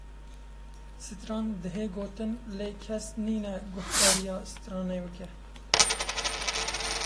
Sitran dihê gotin lê kes nîne guhdarîya sitranê bike